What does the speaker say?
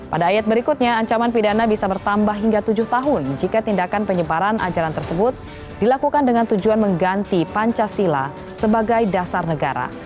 pada ayat berikutnya ancaman pidana bisa bertambah hingga tujuh tahun jika tindakan penyebaran ajaran tersebut dilakukan dengan tujuan mengganti pancasila sebagai dasar negara